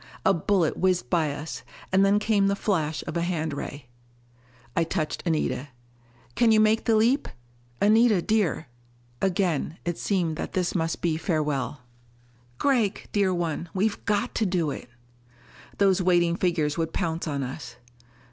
A bullet whizzed by us, and then came the flash of a hand ray. I touched Anita. "Can you make the leap? Anita dear...." Again it seemed that this must be farewell. "Gregg, dear one, we've got to do it!" Those waiting figures would pounce on us.